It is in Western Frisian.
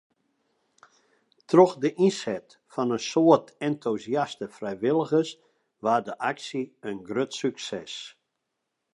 Troch de ynset fan in soad entûsjaste frijwilligers waard de aksje in grut sukses.